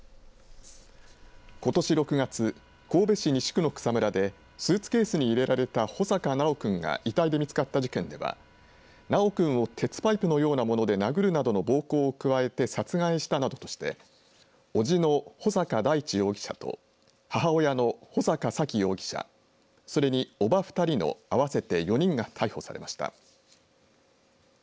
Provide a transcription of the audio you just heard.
ことし６月神戸市西区の草むらでスーツケースに入れられた穂坂修くんが遺体で見つかった事件で修くんを鉄パイプのようなもので殴るなどの暴行を加えて殺害したなどとして叔父の穂坂大地容疑者と母親の穂坂沙喜容疑者それに叔母２人の合わせて４人が逮捕されました。